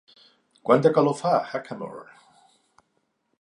Quanta calor fa a Hackamore